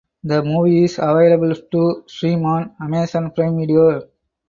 The movie is available to stream on Amazon Prime Video.